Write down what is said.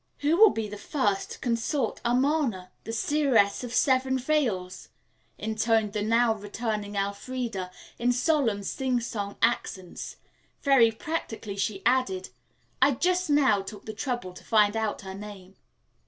"Who will be the first to consult Amarna, the Seeress of the Seven Veils?" intoned the now returning Elfreda in solemn, sing song accents. Very practically she added: "I just now took the trouble to find out her name."